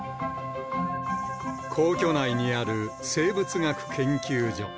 皇居内にある生物学研究所。